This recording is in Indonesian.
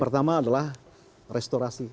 pertama adalah restorasi